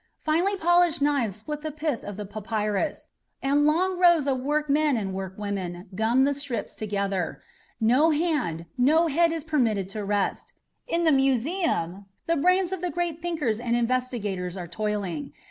Finely polished knives split the pith of the papyrus, and long rows of workmen and workwomen gum the strips together. No hand, no head is permitted to rest. In the Museum the brains of the great thinkers and investigators are toiling.